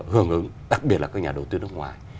hưởng ứng đặc biệt là các nhà đầu tư nước ngoài